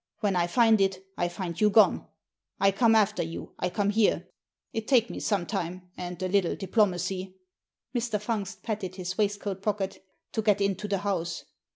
When I find it, I find you gone. I come after you. I come here. It takes me some time and a little diplomacy "— Mr. Fungst patted his waistcoat pocket — "to get into the house.